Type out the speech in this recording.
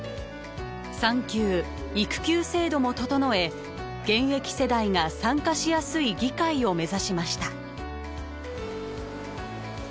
産休・育休制度も整え現役世代が参加しやすい議会を目指しました。